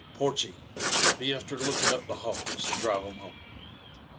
Porchy 1 be after looking up the hogs, and drive 'em home.